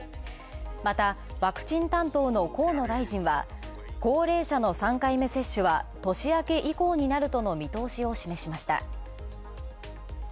またワクチン担当の河野大臣は、高齢者の３回目接種は年明け以降になるとの見通しを示しました。